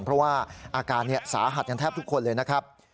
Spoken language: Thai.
เพราะว่าอาการสาหัสกันแทบทุกคนเลยนะครับ